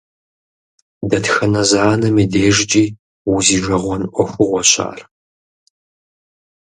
Дэтхэнэ зы анэм и дежкӀи узижэгъуэн Ӏуэхугъуэщ ар.